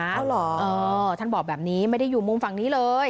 เอาเหรอท่านบอกแบบนี้ไม่ได้อยู่มุมฝั่งนี้เลย